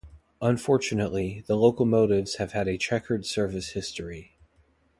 Unfortunately, the locomotives have had a chequered service history.